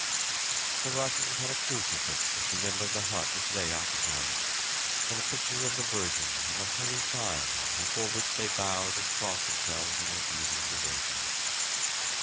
The Russians had a crucifix at the end of the hut which they occupied, and a picture of the Virgin and the Holy Child before which they bowed and crossed themselves in their evening devotions.